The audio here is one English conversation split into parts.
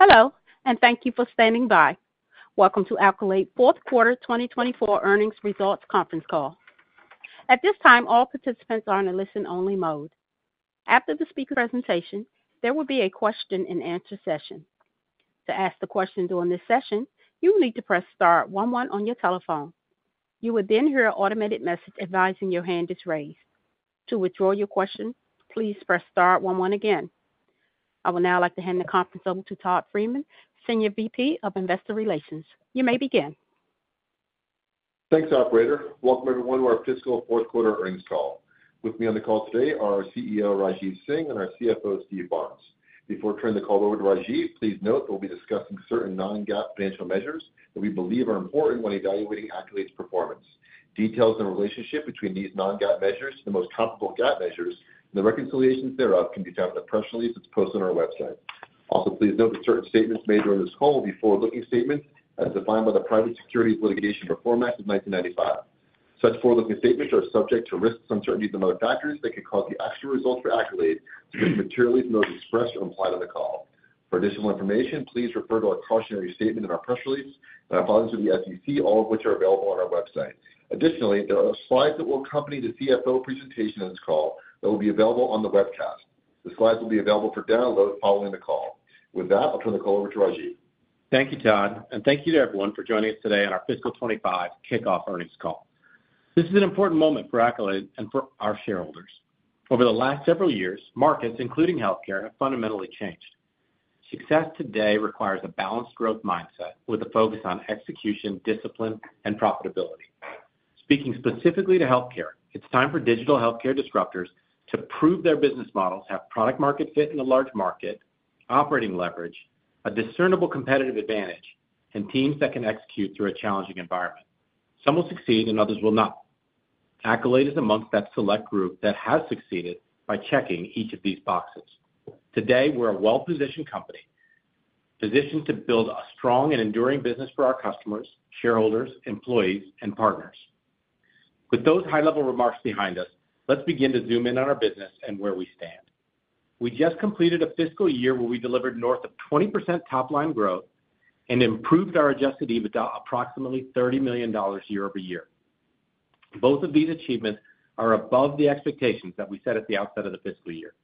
Hello, and thank you for standing by. Welcome to Accolade Fourth Quarter 2024 Earnings Results Conference Call. At this time, all participants are in a listen-only mode. After the speaker presentation, there will be a question-and-answer session. To ask the question during this session, you will need to press star one one on your telephone. You will then hear an automated message advising your hand is raised. To withdraw your question, please press star one one again. I would now like to hand the conference over to Todd Friedman, Senior VP of Investor Relations. You may begin. Thanks, Operator. Welcome, everyone, to our fiscal fourth quarter earnings call. With me on the call today are our CEO, Rajeev Singh, and our CFO, Steve Barnes. Before I turn the call over to Rajeev, please note that we'll be discussing certain non-GAAP financial measures that we believe are important when evaluating Accolade's performance. Details of the relationship between these non-GAAP measures and the most comparable GAAP measures and the reconciliations thereof can be found in the press release that's posted on our website. Also, please note that certain statements made during this call will be forward-looking statements as defined by the Private Securities Litigation Reform Act of 1995. Such forward-looking statements are subject to risks, uncertainties, and other factors that could cause the actual results for Accolade to differ materially from those expressed or implied on the call. For additional information, please refer to our cautionary statement in our press release and our filings with the SEC, all of which are available on our website. Additionally, there are slides that will accompany the CFO presentation in this call that will be available on the webcast. The slides will be available for download following the call. With that, I'll turn the call over to Rajeev. Thank you, Todd. Thank you to everyone for joining us today on our Fiscal 2025 Kickoff Earnings Call. This is an important moment for Accolade and for our shareholders. Over the last several years, markets, including healthcare, have fundamentally changed. Success today requires a balanced growth mindset with a focus on execution, discipline, and profitability. Speaking specifically to healthcare, it's time for digital healthcare disruptors to prove their business models have product-market fit in a large market, operating leverage, a discernible competitive advantage, and teams that can execute through a challenging environment. Some will succeed, and others will not. Accolade is amongst that select group that has succeeded by checking each of these boxes. Today, we're a well-positioned company, positioned to build a strong and enduring business for our customers, shareholders, employees, and partners. With those high-level remarks behind us, let's begin to zoom in on our business and where we stand. We just completed a fiscal year where we delivered north of 20% top-line growth and improved our adjusted EBITDA approximately $30 million year-over-year. Both of these achievements are above the expectations that we set at the outset of the fiscal year.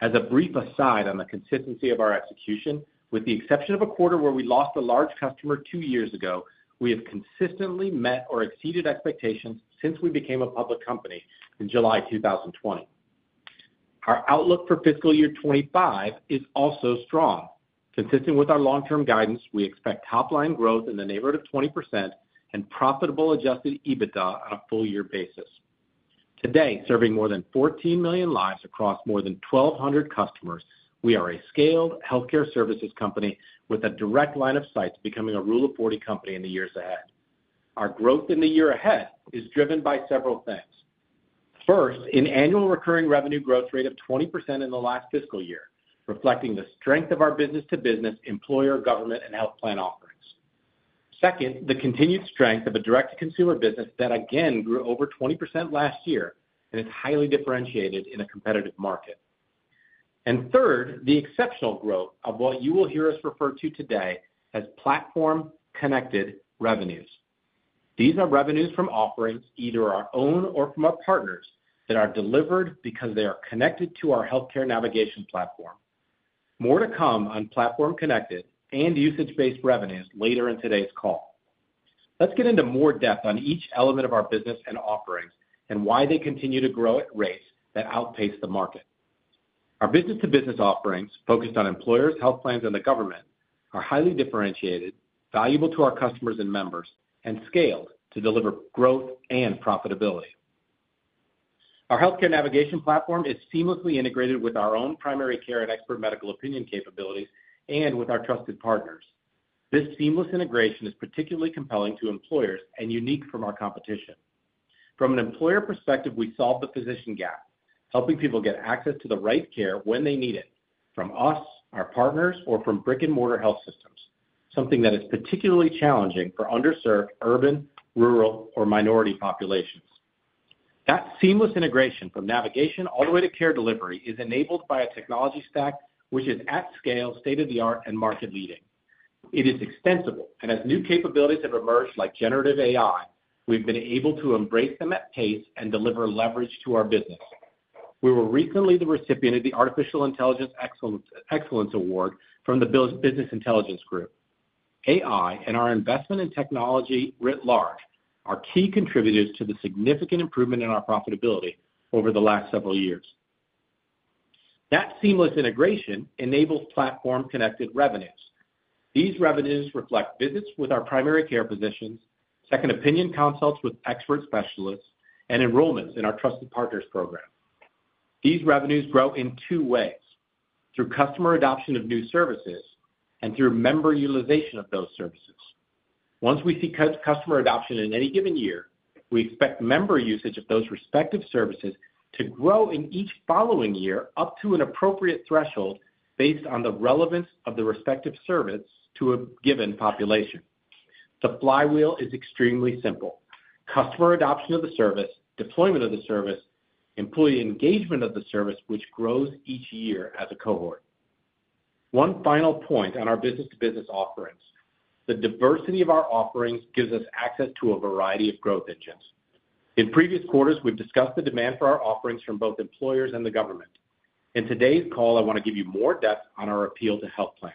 As a brief aside on the consistency of our execution, with the exception of a quarter where we lost a large customer two years ago, we have consistently met or exceeded expectations since we became a public company in July 2020. Our outlook for fiscal year 2025 is also strong. Consistent with our long-term guidance, we expect top-line growth in the neighborhood of 20% and profitable adjusted EBITDA on a full-year basis. Today, serving more than 14 million lives across more than 1,200 customers, we are a scaled healthcare services company with a direct line of sight becoming a Rule of 40 company in the years ahead. Our growth in the year ahead is driven by several things. First, an annual recurring revenue growth rate of 20% in the last fiscal year, reflecting the strength of our business-to-business, employer, government, and health plan offerings. Second, the continued strength of a direct-to-consumer business that, again, grew over 20% last year and is highly differentiated in a competitive market. Third, the exceptional growth of what you will hear us refer to today as platform-connected revenues. These are revenues from offerings, either our own or from our partners, that are delivered because they are connected to our healthcare navigation platform. More to come on platform-connected and usage-based revenues later in today's call. Let's get into more depth on each element of our business and offerings and why they continue to grow at rates that outpace the market. Our business-to-business offerings, focused on employers, health plans, and the government, are highly differentiated, valuable to our customers and members, and scaled to deliver growth and profitability. Our healthcare navigation platform is seamlessly integrated with our own primary care and expert medical opinion capabilities and with our trusted partners. This seamless integration is particularly compelling to employers and unique from our competition. From an employer perspective, we solve the physician gap, helping people get access to the right care when they need it, from us, our partners, or from brick-and-mortar health systems, something that is particularly challenging for underserved urban, rural, or minority populations. That seamless integration from navigation all the way to care delivery is enabled by a technology stack which is at scale, state-of-the-art, and market-leading. It is extensible, and as new capabilities have emerged like Generative AI, we've been able to embrace them at pace and deliver leverage to our business. We were recently the recipient of the Artificial Intelligence Excellence Award from the Business Intelligence Group. AI and our investment in technology writ large are key contributors to the significant improvement in our profitability over the last several years. That seamless integration enables Platform-Connected Revenues. These revenues reflect visits with our primary care physicians, second-opinion consults with expert specialists, and enrollments in our trusted partners program. These revenues grow in two ways: through customer adoption of new services and through member utilization of those services. Once we see customer adoption in any given year, we expect member usage of those respective services to grow in each following year up to an appropriate threshold based on the relevance of the respective service to a given population. The flywheel is extremely simple: customer adoption of the service, deployment of the service, employee engagement of the service, which grows each year as a cohort. One final point on our business-to-business offerings: the diversity of our offerings gives us access to a variety of growth engines. In previous quarters, we've discussed the demand for our offerings from both employers and the government. In today's call, I want to give you more depth on our appeal to health plans.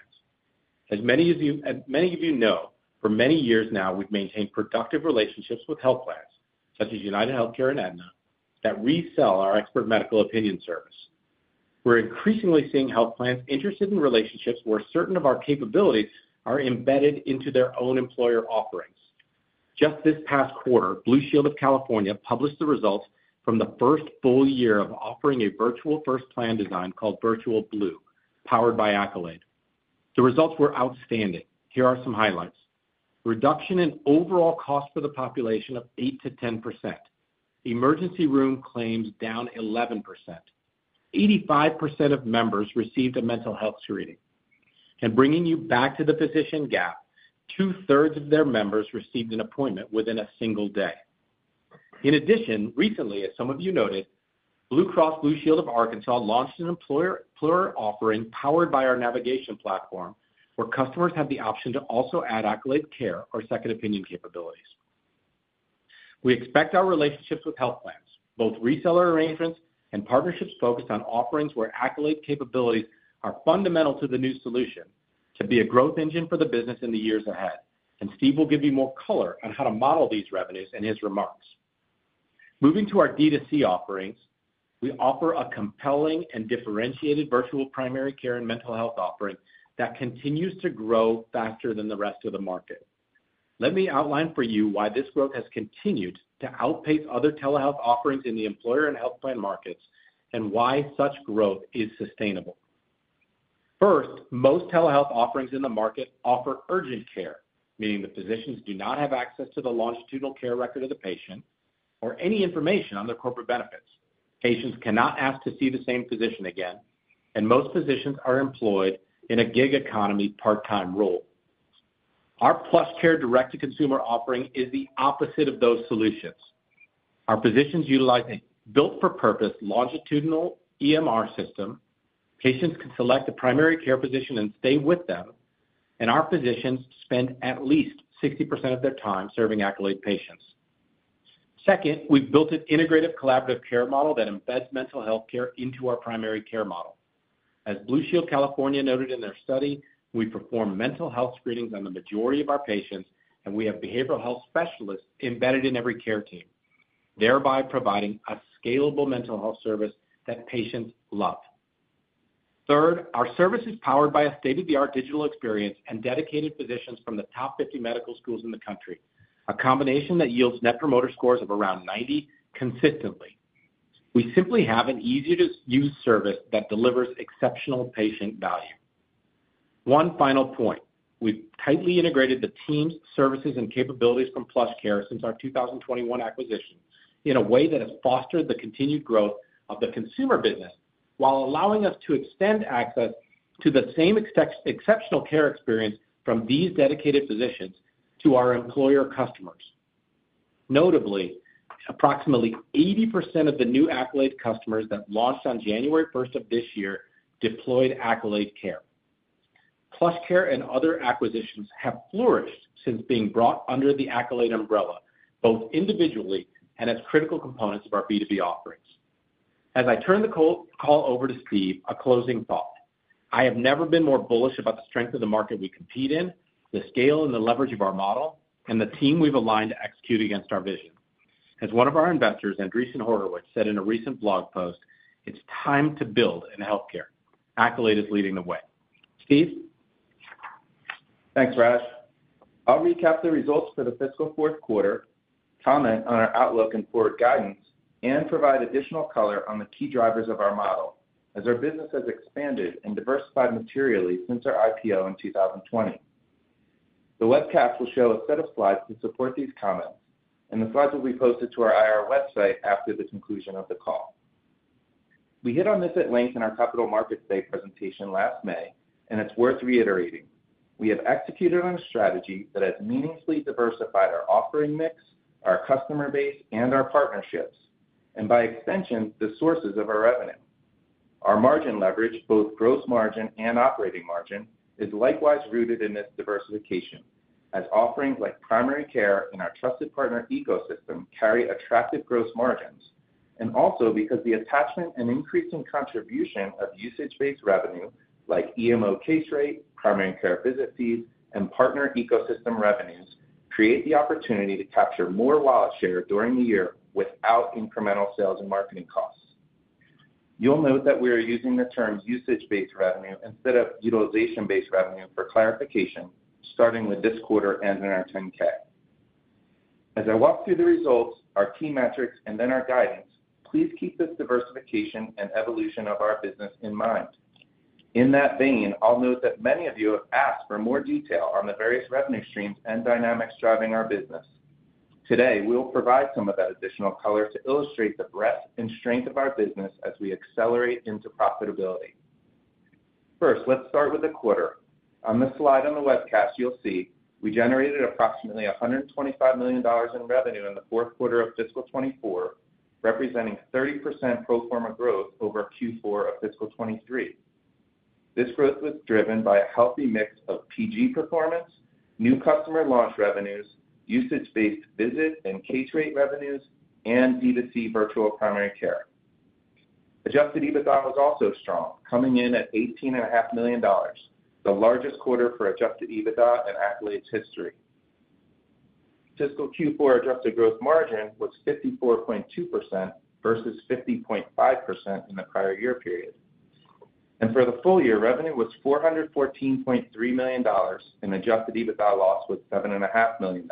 As many of you know, for many years now, we've maintained productive relationships with health plans, such as UnitedHealth and Aetna, that resell our Expert Medical Opinion service. We're increasingly seeing health plans interested in relationships where certain of our capabilities are embedded into their own employer offerings. Just this past quarter, Blue Shield of California published the results from the first full year of offering a virtual first plan design called Virtual Blue, powered by Accolade. The results were outstanding. Here are some highlights: reduction in overall cost for the population of 8%-10%, emergency room claims down 11%, 85% of members received a mental health screening. Bringing you back to the physician gap, 2/3 of their members received an appointment within a single day. In addition, recently, as some of you noted, Blue Cross Blue Shield of Arkansas launched an employer offering powered by our navigation platform where customers have the option to also add Accolade Care or second-opinion capabilities. We expect our relationships with health plans, both reseller arrangements and partnerships focused on offerings where Accolade capabilities are fundamental to the new solution, to be a growth engine for the business in the years ahead. Steve will give you more color on how to model these revenues in his remarks. Moving to our D2C offerings, we offer a compelling and differentiated virtual primary care and mental health offering that continues to grow faster than the rest of the market. Let me outline for you why this growth has continued to outpace other telehealth offerings in the employer and health plan markets and why such growth is sustainable. First, most telehealth offerings in the market offer urgent care, meaning the physicians do not have access to the longitudinal care record of the patient or any information on their corporate benefits. Patients cannot ask to see the same physician again, and most physicians are employed in a gig economy part-time role. Our PlushCare direct-to-consumer offering is the opposite of those solutions. Our physicians utilize a built-for-purpose longitudinal EMR system. Patients can select a primary care physician and stay with them, and our physicians spend at least 60% of their time serving Accolade patients. Second, we've built an integrative collaborative care model that embeds mental health care into our primary care model. As Blue Shield of California noted in their study, we perform mental health screenings on the majority of our patients, and we have behavioral health specialists embedded in every care team, thereby providing a scalable mental health service that patients love. Third, our service is powered by a state-of-the-art digital experience and dedicated physicians from the top 50 medical schools in the country, a combination that yields Net Promoter Scores of around 90 consistently. We simply have an easy-to-use service that delivers exceptional patient value. One final point: we've tightly integrated the teams, services, and capabilities from PlushCare since our 2021 acquisition in a way that has fostered the continued growth of the consumer business while allowing us to extend access to the same exceptional care experience from these dedicated physicians to our employer customers. Notably, approximately 80% of the new Accolade customers that launched on January 1st of this year deployed Accolade Care. PlushCare and other acquisitions have flourished since being brought under the Accolade umbrella, both individually and as critical components of our B2B offerings. As I turn the call over to Steve, a closing thought: I have never been more bullish about the strength of the market we compete in, the scale and the leverage of our model, and the team we've aligned to execute against our vision. As one of our investors, Andreessen Horowitz, said in a recent blog post, "It's time to build in healthcare. Accolade is leading the way." Steve? Thanks, Raj. I'll recap the results for the fiscal fourth quarter, comment on our outlook and forward guidance, and provide additional color on the key drivers of our model as our business has expanded and diversified materially since our IPO in 2020. The webcast will show a set of slides to support these comments, and the slides will be posted to our IR website after the conclusion of the call. We hit on this at length in our Capital Markets Day presentation last May, and it's worth reiterating. We have executed on a strategy that has meaningfully diversified our offering mix, our customer base, and our partnerships, and by extension, the sources of our revenue. Our margin leverage, both gross margin and operating margin, is likewise rooted in this diversification as offerings like primary care in our trusted partner ecosystem carry attractive gross margins, and also because the attachment and increasing contribution of usage-based revenue like EMO case rate, primary care visit fees, and partner ecosystem revenues create the opportunity to capture more wallet share during the year without incremental sales and marketing costs. You'll note that we are using the term usage-based revenue instead of utilization-based revenue for clarification, starting with this quarter and in our 10-K. As I walk through the results, our key metrics, and then our guidance, please keep this diversification and evolution of our business in mind. In that vein, I'll note that many of you have asked for more detail on the various revenue streams and dynamics driving our business. Today, we'll provide some of that additional color to illustrate the breadth and strength of our business as we accelerate into profitability. First, let's start with the quarter. On the slide on the webcast, you'll see we generated approximately $125 million in revenue in the fourth quarter of fiscal 2024, representing 30% pro forma growth over Q4 of fiscal 2023. This growth was driven by a healthy mix of PG performance, new customer launch revenues, usage-based visit and case rate revenues, and D2C virtual primary care. Adjusted EBITDA was also strong, coming in at $18.5 million, the largest quarter for adjusted EBITDA in Accolade's history. Fiscal Q4 adjusted gross margin was 54.2% versus 50.5% in the prior year period. For the full year, revenue was $414.3 million, and adjusted EBITDA loss was $7.5 million.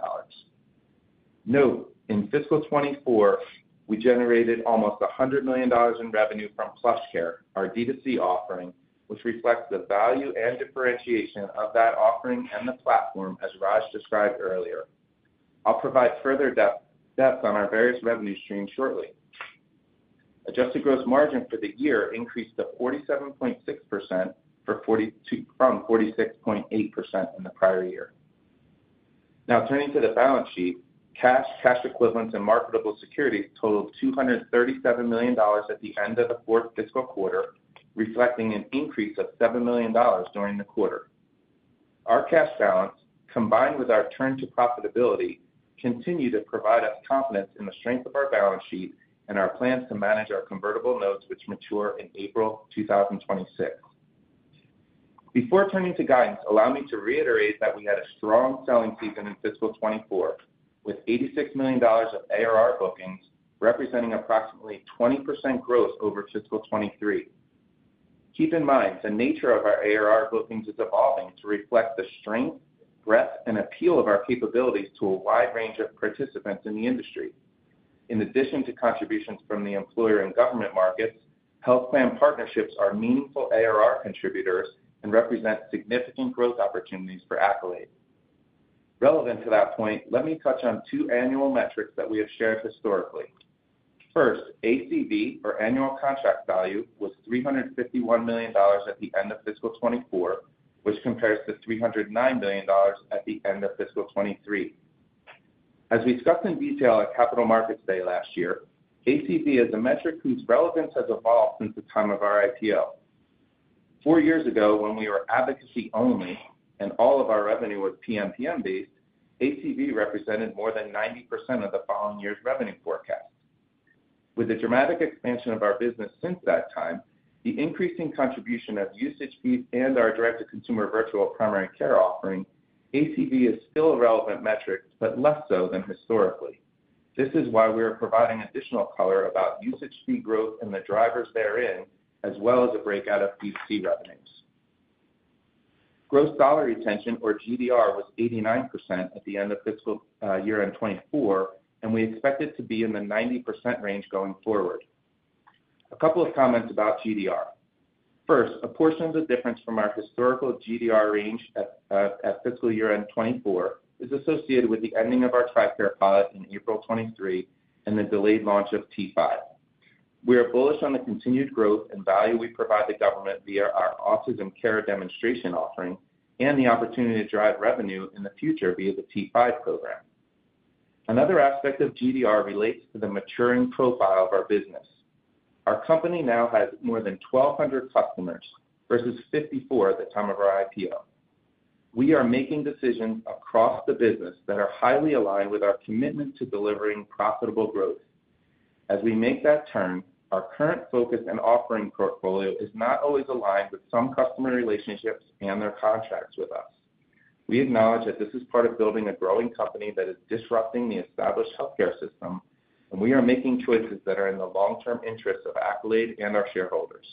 Note, in fiscal 2024, we generated almost $100 million in revenue from PlushCare, our D2C offering, which reflects the value and differentiation of that offering and the platform, as Raj described earlier. I'll provide further depth on our various revenue streams shortly. Adjusted gross margin for the year increased to 47.6% from 46.8% in the prior year. Now, turning to the balance sheet, cash, cash equivalents, and marketable securities totaled $237 million at the end of the fourth fiscal quarter, reflecting an increase of $7 million during the quarter. Our cash balance, combined with our turn-to-profitability, continue to provide us confidence in the strength of our balance sheet and our plans to manage our convertible notes, which mature in April 2026. Before turning to guidance, allow me to reiterate that we had a strong selling season in fiscal 2024 with $86 million of ARR bookings, representing approximately 20% growth over fiscal 2023. Keep in mind the nature of our ARR bookings is evolving to reflect the strength, breadth, and appeal of our capabilities to a wide range of participants in the industry. In addition to contributions from the employer and government markets, health plan partnerships are meaningful ARR contributors and represent significant growth opportunities for Accolade. Relevant to that point, let me touch on two annual metrics that we have shared historically. First, ACV, or annual contract value, was $351 million at the end of fiscal 2024, which compares to $309 million at the end of fiscal 2023. As we discussed in detail at Capital Markets Day last year, ACV is a metric whose relevance has evolved since the time of our IPO. Four years ago, when we were advocacy-only and all of our revenue was PMPM-based, ACV represented more than 90% of the following year's revenue forecast. With the dramatic expansion of our business since that time, the increasing contribution of usage fees and our direct-to-consumer virtual primary care offering, ACV is still a relevant metric but less so than historically. This is why we are providing additional color about usage fee growth and the drivers therein, as well as a breakout of B2C revenues. Gross Dollar Retention, or GDR, was 89% at the end of fiscal year 2024, and we expect it to be in the 90% range going forward. A couple of comments about GDR. First, a portion of the difference from our historical GDR range at fiscal year 2024 is associated with the ending of our TRICARE pilot in April 2023 and the delayed launch of T5. We are bullish on the continued growth and value we provide the government via our Autism Care Demonstration offering and the opportunity to drive revenue in the future via the T5 program. Another aspect of GDR relates to the maturing profile of our business. Our company now has more than 1,200 customers versus 54 at the time of our IPO. We are making decisions across the business that are highly aligned with our commitment to delivering profitable growth. As we make that turn, our current focus and offering portfolio is not always aligned with some customer relationships and their contracts with us. We acknowledge that this is part of building a growing company that is disrupting the established healthcare system, and we are making choices that are in the long-term interests of Accolade and our shareholders.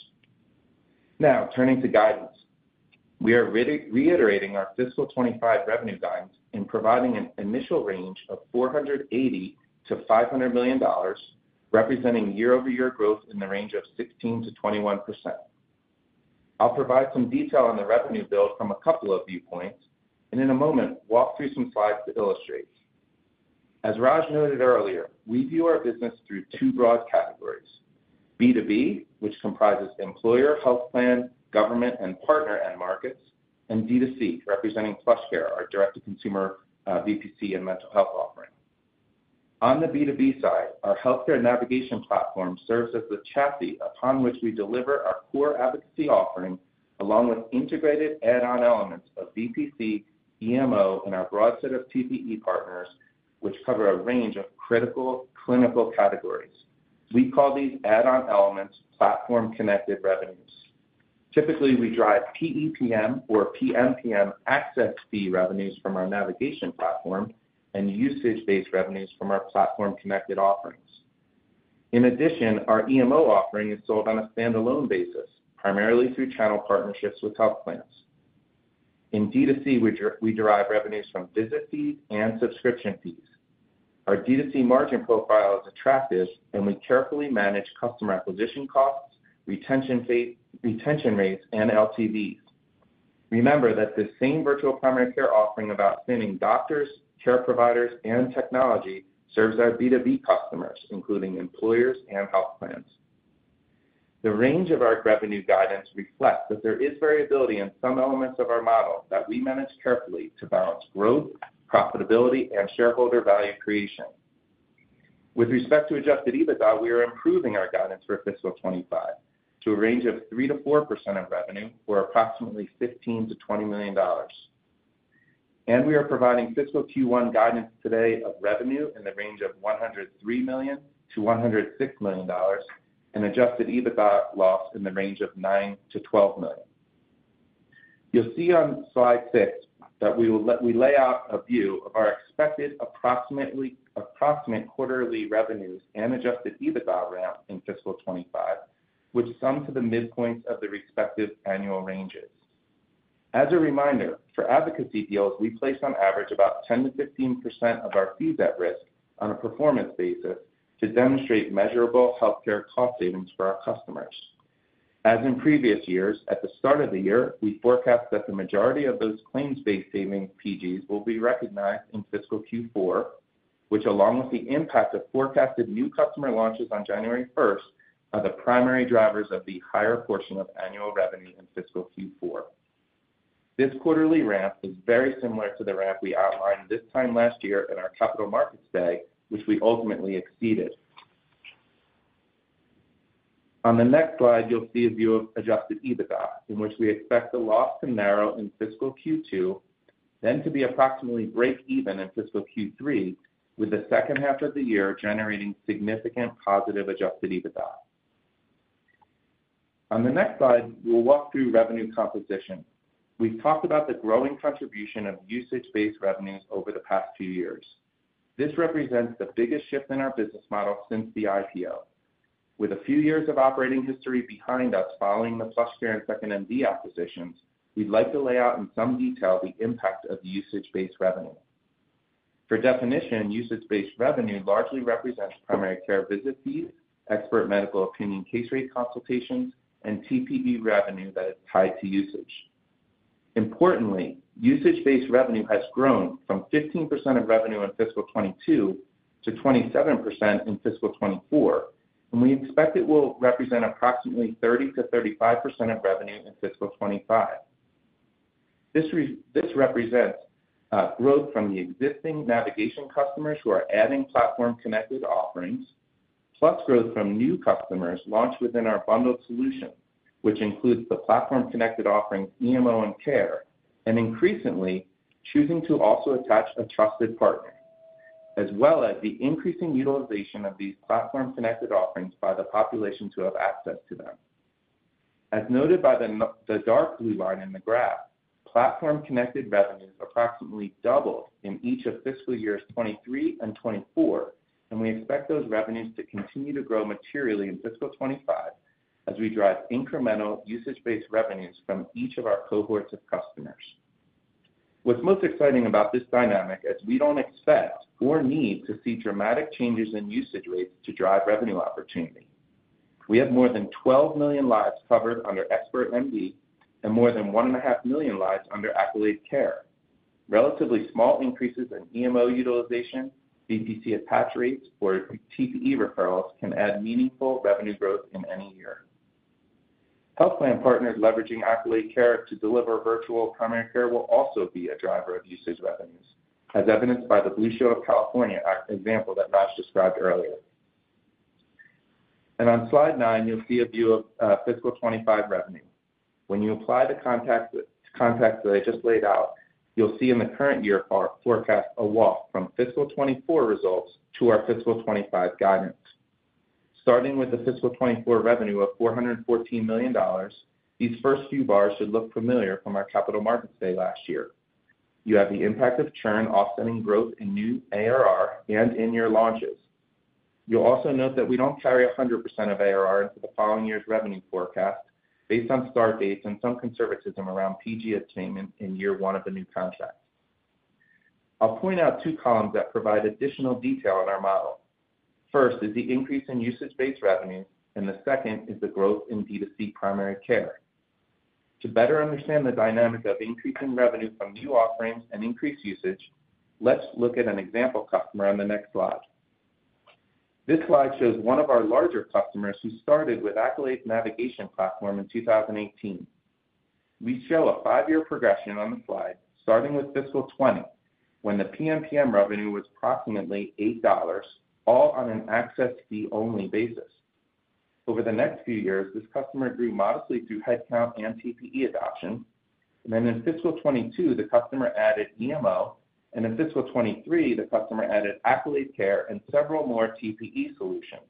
Now, turning to guidance, we are reiterating our fiscal 2025 revenue guidance in providing an initial range of $480 million-$500 million, representing year-over-year growth in the range of 16%-21%. I'll provide some detail on the revenue build from a couple of viewpoints, and in a moment, walk through some slides to illustrate. As Raj noted earlier, we view our business through two broad categories: B2B, which comprises employer, health plan, government, and partner end markets, and D2C, representing PlushCare, our direct-to-consumer VPC and mental health offering. On the B2B side, our healthcare navigation platform serves as the chassis upon which we deliver our core advocacy offering along with integrated add-on elements of VPC, EMO, and our broad set of TPE partners, which cover a range of critical clinical categories. We call these add-on elements platform-connected revenues. Typically, we drive PEPM or PMPM access fee revenues from our navigation platform and usage-based revenues from our platform-connected offerings. In addition, our EMO offering is sold on a standalone basis, primarily through channel partnerships with health plans. In D2C, we derive revenues from visit fees and subscription fees. Our D2C margin profile is attractive, and we carefully manage customer acquisition costs, retention rates, and LTVs. Remember that this same virtual primary care offering about finding doctors, care providers, and technology serves our B2B customers, including employers and health plans. The range of our revenue guidance reflects that there is variability in some elements of our model that we manage carefully to balance growth, profitability, and shareholder value creation. With respect to Adjusted EBITDA, we are improving our guidance for fiscal 2025 to a range of 3%-4% of revenue for approximately $15 million-$20 million. And we are providing fiscal Q1 guidance today of revenue in the range of $103 million-$106 million and Adjusted EBITDA loss in the range of $9 million-$12 million. You'll see on slide six that we lay out a view of our expected approximate quarterly revenues and Adjusted EBITDA ramp in fiscal 2025, which sum to the midpoints of the respective annual ranges. As a reminder, for advocacy deals, we place on average about 10%-15% of our fees at risk on a performance basis to demonstrate measurable healthcare cost savings for our customers. As in previous years, at the start of the year, we forecast that the majority of those claims-based savings PGs will be recognized in fiscal Q4, which, along with the impact of forecasted new customer launches on January 1st, are the primary drivers of the higher portion of annual revenue in fiscal Q4. This quarterly ramp is very similar to the ramp we outlined this time last year at our Capital Markets Day, which we ultimately exceeded. On the next slide, you'll see a view of adjusted EBITDA, in which we expect the loss to narrow in fiscal Q2, then to be approximately break-even in fiscal Q3, with the second half of the year generating significant positive adjusted EBITDA. On the next slide, we'll walk through revenue composition. We've talked about the growing contribution of usage-based revenues over the past few years. This represents the biggest shift in our business model since the IPO. With a few years of operating history behind us following the PlushCare and 2nd.MD acquisitions, we'd like to lay out in some detail the impact of usage-based revenue. For definition, usage-based revenue largely represents primary care visit fees, expert medical opinion case rate consultations, and TPE revenue that is tied to usage. Importantly, usage-based revenue has grown from 15% of revenue in fiscal 2022 to 27% in fiscal 2024, and we expect it will represent approximately 30%-35% of revenue in fiscal 2025. This represents growth from the existing navigation customers who are adding platform-connected offerings, plus growth from new customers launched within our bundled solution, which includes the platform-connected offerings EMO and care, and increasingly, choosing to also attach a trusted partner, as well as the increasing utilization of these platform-connected offerings by the population to have access to them. As noted by the dark blue line in the graph, platform-connected revenues approximately doubled in each of fiscal years 2023 and 2024, and we expect those revenues to continue to grow materially in fiscal 2025 as we drive incremental usage-based revenues from each of our cohorts of customers. What's most exciting about this dynamic is we don't expect or need to see dramatic changes in usage rates to drive revenue opportunity. We have more than 12 million lives covered under 2nd.MD and more than 1.5 million lives under Accolade Care. Relatively small increases in EMO utilization, VPC attach rates, or TPE referrals can add meaningful revenue growth in any year. Health plan partners leveraging Accolade Care to deliver virtual primary care will also be a driver of usage revenues, as evidenced by the Blue Shield of California example that Raj described earlier. On slide 9, you'll see a view of Fiscal 2025 revenue. When you apply the concepts that I just laid out, you'll see in the current year forecast a walk from Fiscal 2024 results to our Fiscal 2025 guidance. Starting with the Fiscal 2024 revenue of $414 million, these first few bars should look familiar from our Capital Markets Day last year. You have the impact of churn offsetting growth in new ARR and in-year launches. You'll also note that we don't carry 100% of ARR into the following year's revenue forecast based on start dates and some conservatism around PG attainment in year one of the new contracts. I'll point out two columns that provide additional detail in our model. First is the increase in usage-based revenues, and the second is the growth in D2C primary care. To better understand the dynamic of increasing revenue from new offerings and increased usage, let's look at an example customer on the next slide. This slide shows one of our larger customers who started with Accolade's navigation platform in 2018. We show a five-year progression on the slide, starting with fiscal 2020, when the PMPM revenue was approximately $8, all on an access fee-only basis. Over the next few years, this customer grew modestly through headcount and TPE adoption. And then in fiscal 2022, the customer added EMO, and in fiscal 2023, the customer added Accolade Care and several more TPE solutions.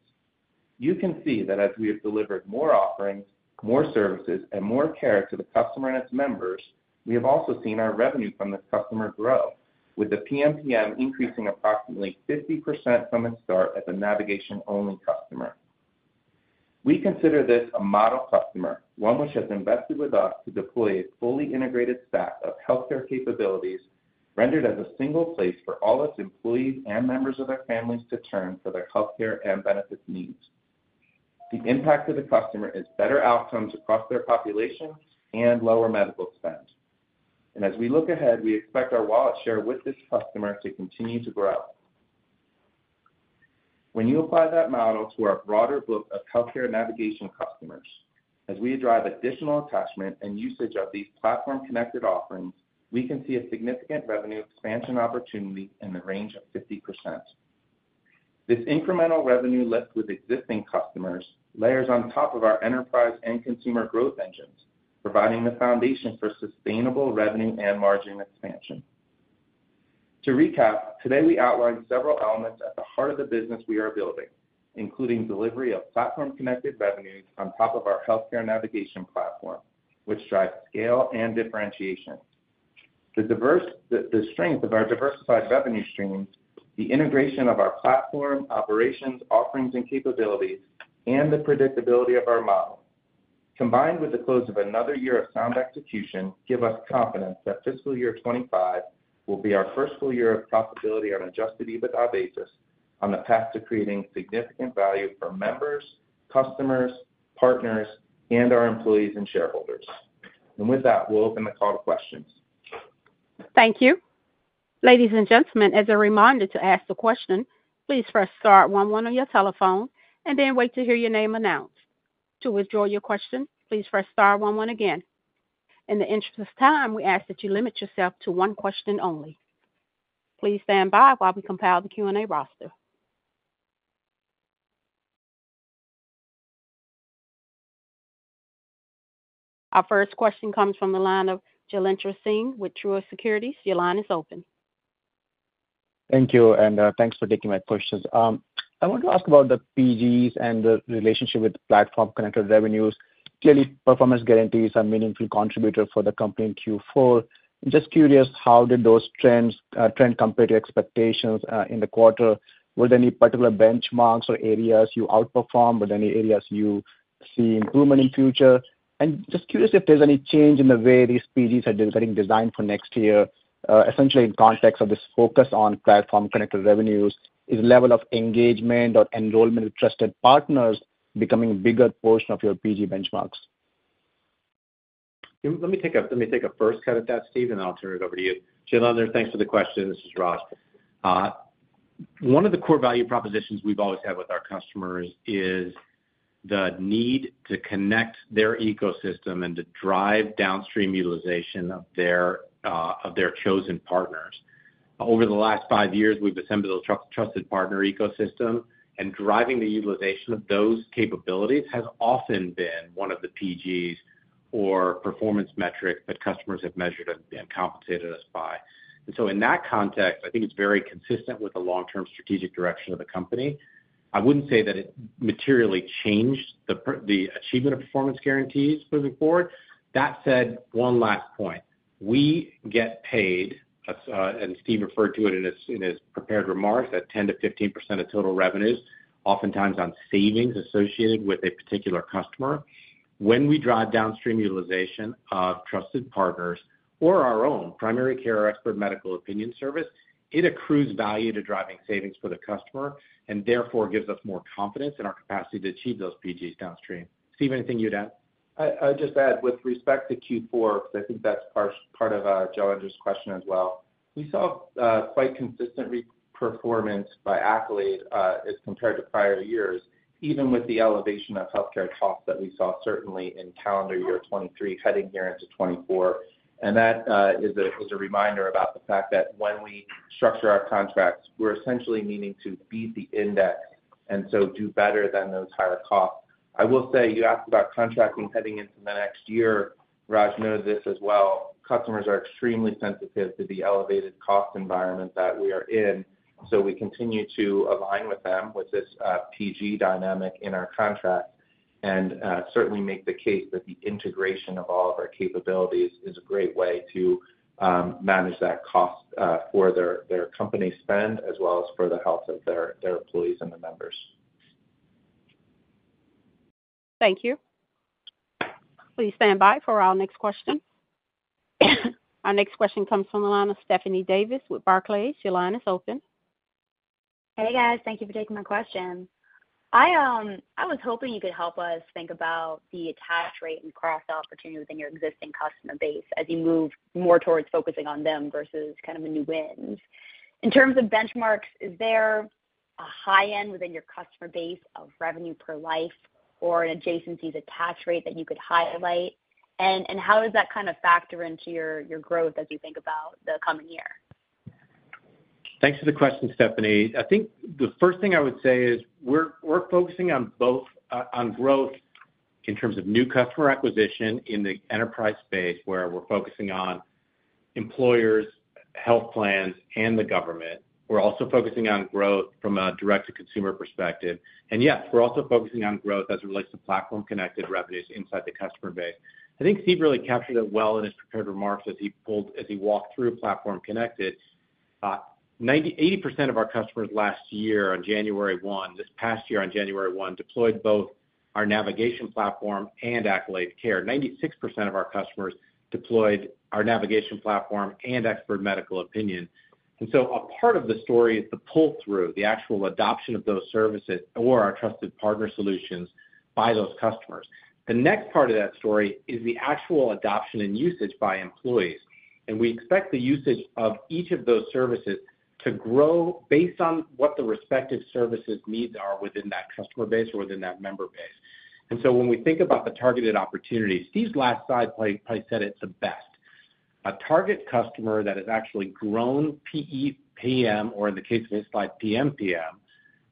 You can see that as we have delivered more offerings, more services, and more care to the customer and its members, we have also seen our revenue from this customer grow, with the PMPM increasing approximately 50% from its start as a navigation-only customer. We consider this a model customer, one which has invested with us to deploy a fully integrated stack of healthcare capabilities rendered as a single place for all its employees and members of their families to turn for their healthcare and benefits needs. The impact of the customer is better outcomes across their population and lower medical spend. as we look ahead, we expect our wallet share with this customer to continue to grow. When you apply that model to our broader book of healthcare navigation customers, as we drive additional attachment and usage of these platform-connected offerings, we can see a significant revenue expansion opportunity in the range of 50%. This incremental revenue lift with existing customers layers on top of our enterprise and consumer growth engines, providing the foundation for sustainable revenue and margin expansion. To recap, today we outlined several elements at the heart of the business we are building, including delivery of platform-connected revenues on top of our healthcare navigation platform, which drives scale and differentiation. The strength of our diversified revenue streams, the integration of our platform, operations, offerings, and capabilities, and the predictability of our model, combined with the close of another year of sound execution, give us confidence that fiscal year 2025 will be our first full year of profitability on Adjusted EBITDA basis on the path to creating significant value for members, customers, partners, and our employees and shareholders. With that, we'll open the call to questions. Thank you. Ladies and gentlemen, as a reminder to ask the question, please press star one one on your telephone and then wait to hear your name announced. To withdraw your question, please press star one one again. In the interest of time, we ask that you limit yourself to one question only. Please stand by while we compile the Q&A roster. Our first question comes from the line of Jailendra Singh with Truist Securities. Your line is open. Thank you, and thanks for taking my questions. I want to ask about the PGs and the relationship with platform-connected revenues. Clearly, performance guarantees are a meaningful contributor for the company in Q4. Just curious, how did those trends compare to expectations in the quarter? Were there any particular benchmarks or areas you outperformed? Were there any areas you see improvement in future? And just curious if there's any change in the way these PGs are getting designed for next year, essentially in context of this focus on platform-connected revenues. Is the level of engagement or enrollment of trusted partners becoming a bigger portion of your PG benchmarks? Let me take a first cut at that, Steve, and then I'll turn it over to you. Jailendra, thanks for the question. This is Raj. One of the core value propositions we've always had with our customers is the need to connect their ecosystem and to drive downstream utilization of their chosen partners. Over the last five years, we've assembled a trusted partner ecosystem, and driving the utilization of those capabilities has often been one of the PGs or performance metrics that customers have measured and compensated us by. And so in that context, I think it's very consistent with the long-term strategic direction of the company. I wouldn't say that it materially changed the achievement of performance guarantees moving forward. That said, one last point. We get paid, and Steve referred to it in his prepared remarks, at 10%-15% of total revenues, oftentimes on savings associated with a particular customer. When we drive downstream utilization of trusted partners or our own primary care or expert medical opinion service, it accrues value to driving savings for the customer and therefore gives us more confidence in our capacity to achieve those PGs downstream. Steve, anything you'd add? I'd just add, with respect to Q4, because I think that's part of Jailendra's question as well, we saw quite consistent performance by Accolade as compared to prior years, even with the elevation of healthcare costs that we saw, certainly in calendar year 2023 heading here into 2024. And that is a reminder about the fact that when we structure our contracts, we're essentially meaning to beat the index and so do better than those higher costs. I will say, you asked about contracting heading into the next year. Raj knows this as well. Customers are extremely sensitive to the elevated cost environment that we are in, so we continue to align with them with this PG dynamic in our contracts and certainly make the case that the integration of all of our capabilities is a great way to manage that cost for their company spend as well as for the health of their employees and the members. Thank you. Please stand by for our next question. Our next question comes from the line of Stephanie Davis with Barclays. Your line is open. Hey, guys. Thank you for taking my question. I was hoping you could help us think about the attach rate and cost opportunity within your existing customer base as you move more towards focusing on them versus kind of the new wins. In terms of benchmarks, is there a high-end within your customer base of revenue per life or an adjacencies attach rate that you could highlight? And how does that kind of factor into your growth as you think about the coming year? Thanks for the question, Stephanie. I think the first thing I would say is we're focusing on growth in terms of new customer acquisition in the enterprise space where we're focusing on employers, health plans, and the government. We're also focusing on growth from a direct-to-consumer perspective. And yes, we're also focusing on growth as it relates to platform-connected revenues inside the customer base. I think Steve really captured it well in his prepared remarks as he walked through platform-connected. 80% of our customers last year on January 1 this past year on January 1 deployed both our navigation platform and Accolade Care. 96% of our customers deployed our navigation platform and Expert Medical Opinion. And so a part of the story is the pull-through, the actual adoption of those services or our trusted partner solutions by those customers. The next part of that story is the actual adoption and usage by employees. We expect the usage of each of those services to grow based on what the respective services' needs are within that customer base or within that member base. So when we think about the targeted opportunities, Steve's last slide probably said it the best. A target customer that has actually grown PEPM or, in the case of his slide, PMPM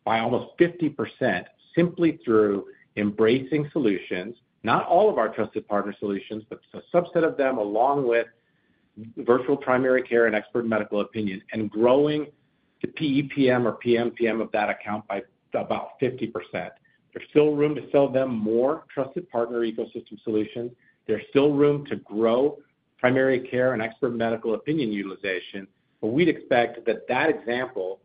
by almost 50% simply through embracing solutions, not all of our trusted partner solutions, but a subset of them along with virtual primary care and expert medical opinion, and growing the PEPM or PMPM of that account by about 50%. There's still room to sell them more trusted partner ecosystem solutions. There's still room to grow primary care and expert medical opinion utilization. But we'd expect that that example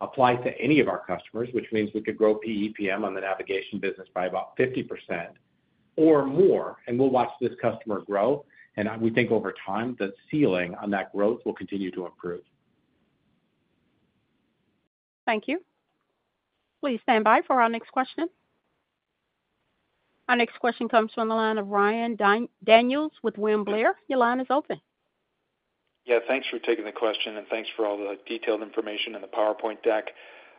applies to any of our customers, which means we could grow PEPM on the navigation business by about 50% or more, and we'll watch this customer grow. And we think over time, the ceiling on that growth will continue to improve. Thank you. Please stand by for our next question. Our next question comes from the line of Ryan Daniels with William Blair. Your line is open. Yeah. Thanks for taking the question, and thanks for all the detailed information and the PowerPoint deck.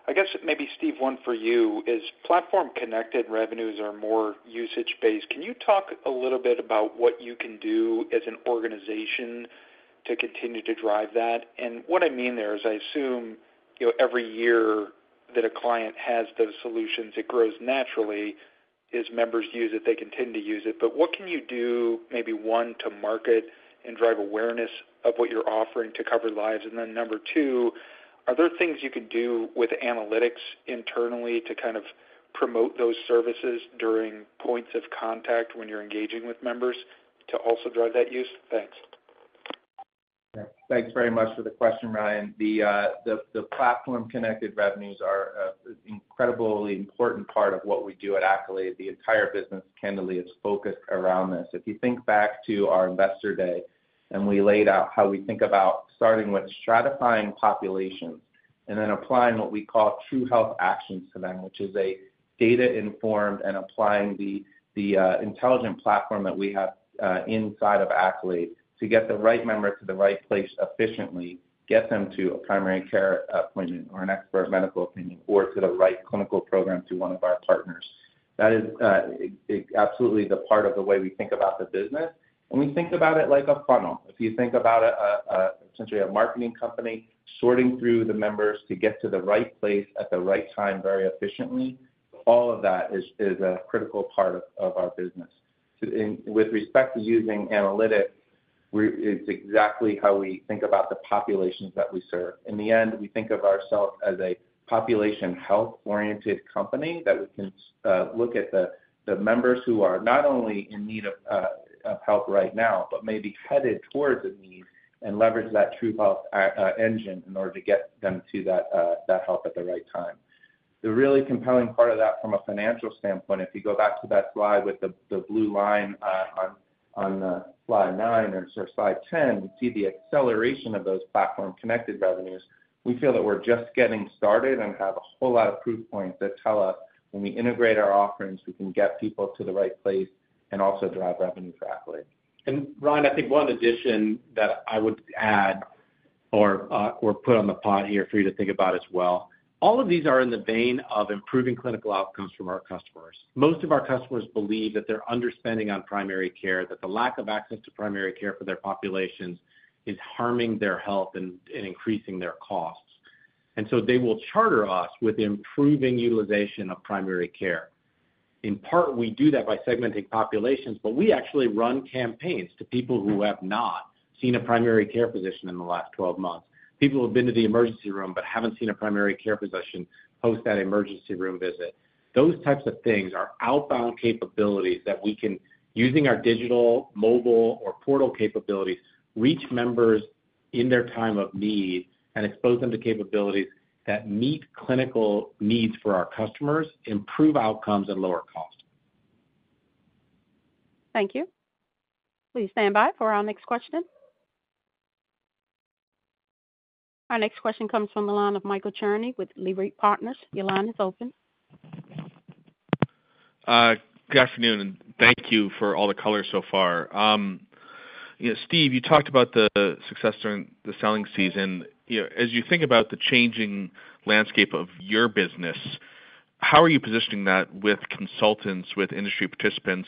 I guess maybe, Steve, one for you is platform-connected revenues are more usage-based. Can you talk a little bit about what you can do as an organization to continue to drive that? And what I mean there is I assume every year that a client has those solutions, it grows naturally as members use it. They continue to use it. But what can you do, maybe one, to market and drive awareness of what you're offering to cover lives? And then number two, are there things you can do with analytics internally to kind of promote those services during points of contact when you're engaging with members to also drive that use? Thanks. Yeah. Thanks very much for the question, Ryan. The platform-connected revenues are an incredibly important part of what we do at Accolade. The entire business, candidly, is focused around this. If you think back to our Investor Day, and we laid out how we think about starting with stratifying populations and then applying what we call True Health Actions to them, Which is data-informed and applying the intelligent platform that we have inside of Accolade to get the right member to the right place efficiently, get them to a primary care appointment or an Expert Medical Opinion, or to the right clinical program through one of our partners. That is absolutely the part of the way we think about the business. We think about it like a funnel. If you think about essentially a marketing company sorting through the members to get to the right place at the right time very efficiently, all of that is a critical part of our business. With respect to using analytics, it's exactly how we think about the populations that we serve. In the end, we think of ourselves as a population health-oriented company that we can look at the members who are not only in need of help right now but may be headed towards a need and leverage that true health engine in order to get them to that help at the right time. The really compelling part of that from a financial standpoint, if you go back to that slide with the blue line on slide nine or slide 10, you see the acceleration of those Platform-Connected Revenues. We feel that we're just getting started and have a whole lot of proof points that tell us when we integrate our offerings, we can get people to the right place and also drive revenue for Accolade. And Ryan, I think one addition that I would add or put on the table here for you to think about as well. All of these are in the vein of improving clinical outcomes for our customers. Most of our customers believe that they're underspending on primary care, that the lack of access to primary care for their populations is harming their health and increasing their costs. And so they will charter us with improving utilization of primary care. In part, we do that by segmenting populations, but we actually run campaigns to people who have not seen a primary care physician in the last 12 months, people who have been to the emergency room but haven't seen a primary care physician post that emergency room visit. Those types of things are outbound capabilities that we can, using our digital, mobile, or portal capabilities, reach members in their time of need and expose them to capabilities that meet clinical needs for our customers, improve outcomes, and lower costs. Thank you. Please stand by for our next question. Our next question comes from the line of Michael Cherny with Leerink Partners. Your line is open. Good afternoon, and thank you for all the color so far. Steve, you talked about the success during the selling season. As you think about the changing landscape of your business, how are you positioning that with consultants, with industry participants,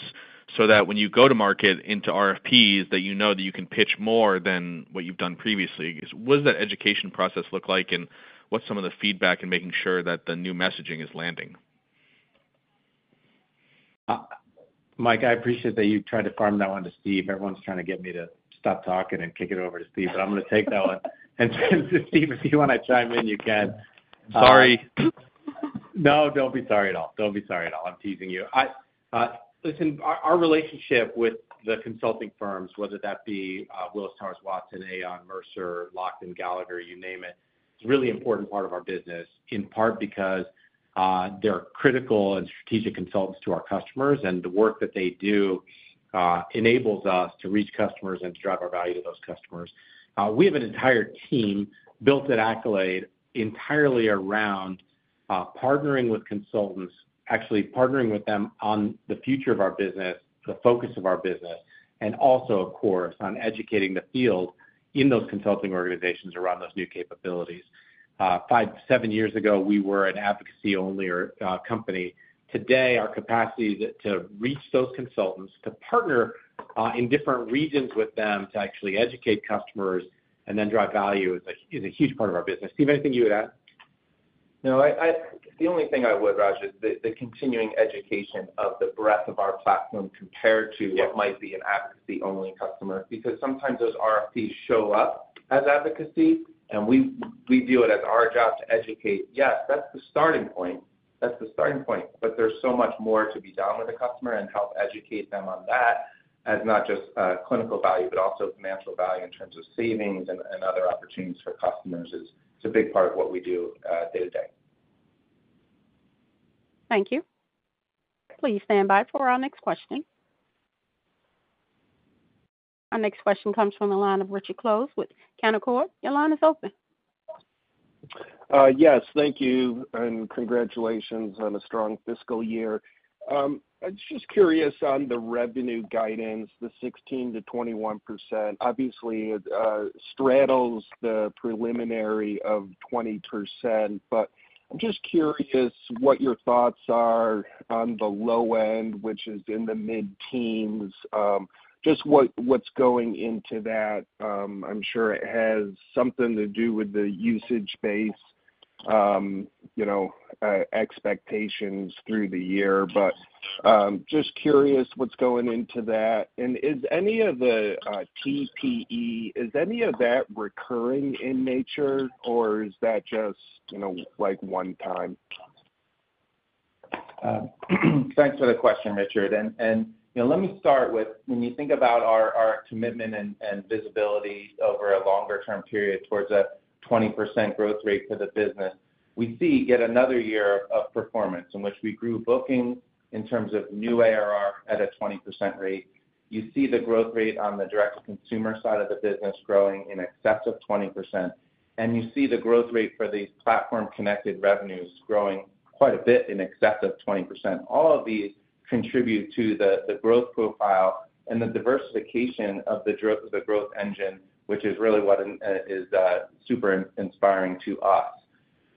so that when you go to market into RFPs, that you know that you can pitch more than what you've done previously? What does that education process look like, and what's some of the feedback in making sure that the new messaging is landing? Mike, I appreciate that you tried to farm that one to Steve. Everyone's trying to get me to stop talking and kick it over to Steve, but I'm going to take that one. Steve, if you want to chime in, you can. Sorry. No, don't be sorry at all. Don't be sorry at all. I'm teasing you. Listen, our relationship with the consulting firms, whether that be Willis Towers Watson, Aon, Mercer, Lockton, Gallagher, you name it, is a really important part of our business, in part because they're critical and strategic consultants to our customers, and the work that they do enables us to reach customers and to drive our value to those customers. We have an entire team built at Accolade entirely around partnering with consultants, actually partnering with them on the future of our business, the focus of our business, and also, of course, on educating the field in those consulting organizations around those new capabilities. Seven years ago, we were an advocacy-only company. Today, our capacity to reach those consultants, to partner in different regions with them to actually educate customers and then drive value is a huge part of our business. Steve, anything you would add? No. The only thing I would, Raj, is the continuing education of the breadth of our platform compared to what might be an advocacy-only customer because sometimes those RFPs show up as advocacy, and we view it as our job to educate. Yes, that's the starting point. That's the starting point, but there's so much more to be done with the customer and help educate them on that as not just clinical value but also financial value in terms of savings and other opportunities for customers. It's a big part of what we do day to day. Thank you. Please stand by for our next question. Our next question comes from the line of Richard Close with Canaccord Genuity. Your line is open. Yes. Thank you and congratulations on a strong fiscal year. I'm just curious on the revenue guidance, the 16%-21%. Obviously, it straddles the preliminary of 20%, but I'm just curious what your thoughts are on the low end, which is in the mid-teens, just what's going into that. I'm sure it has something to do with the usage-based expectations through the year, but just curious what's going into that. And is any of the TPE, is any of that recurring in nature, or is that just one-time? Thanks for the question, Richard. Let me start with, when you think about our commitment and visibility over a longer-term period towards a 20% growth rate for the business, we see yet another year of performance in which we grew bookings in terms of new ARR at a 20% rate. You see the growth rate on the direct-to-consumer side of the business growing in excess of 20%, and you see the growth rate for these platform-connected revenues growing quite a bit in excess of 20%. All of these contribute to the growth profile and the diversification of the growth engine, which is really what is super inspiring to us.